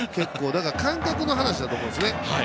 だから感覚の話だと思うんですよね。